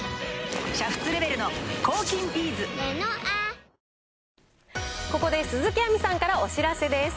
千田君、ここで鈴木亜美さんからお知らせです。